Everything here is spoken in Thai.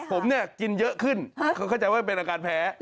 ผมเนี่ยกินเยอะขึ้นเขาเข้าใจว่ามันเป็นอาการแพ้